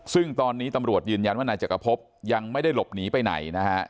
ซึ่งตอนนี้ตำรวจยืนยันว่านายจักรพบยังไม่ได้หลบหนีไปไหนนะฮะ